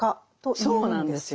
そうなんですよ。